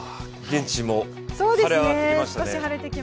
現地も晴れ渡ってきましたね。